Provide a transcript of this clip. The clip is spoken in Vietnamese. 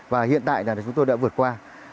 và hiện tại là chúng tôi đã vượt qua